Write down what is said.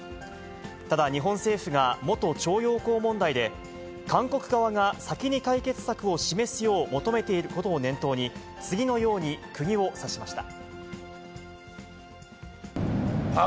ただ、日本政府が元徴用工問題で、韓国側が先に解決策を示すよう求めていることを念頭に、次のようにくぎを刺しました。